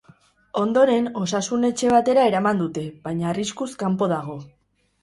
Ondoren, osasun-etxe batera eraman dute, baina arriskuz kanpo dago.